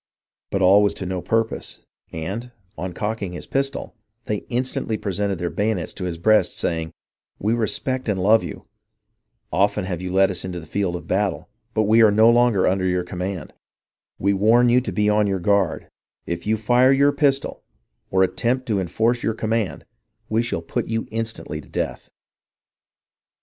But all was to no purpose, and, on cocking his pistol, they instantly pre sented their bayonets to his breast, saying, " IVi^ respect and love you ; often Jiave you led us into the field of battle, but ive are no longer under your command ; we warn you to be on your guard ; if you fire your pistol or attempt to enforce your command, tve shall put you instantly to death.''